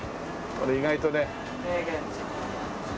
これ意外とね。